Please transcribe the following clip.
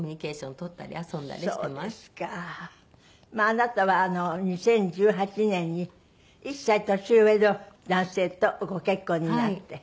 あなたは２０１８年に１歳年上の男性とご結婚になって。